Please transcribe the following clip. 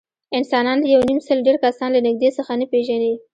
انسانان له یونیمسل ډېر کسان له نږدې څخه نه پېژني.